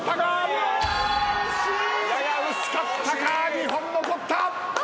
２本残った！